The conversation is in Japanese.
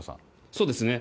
そうですね。